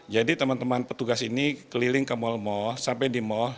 jadi teman teman petugas ini keliling ke mal mal sampai di mal